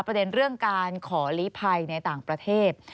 ประเด็นเรื่องการขอลีภัยในต่างประเทศ